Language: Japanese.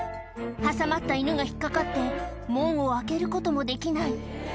⁉挟まった犬が引っ掛かって門を開けることもできない